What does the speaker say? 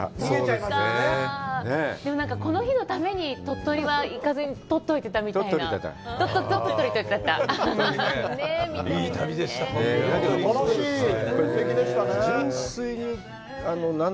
でもなんかこの日のために鳥取は行かずに取っておいたみたいな。